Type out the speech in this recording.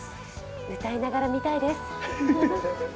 歌いながら見たいです。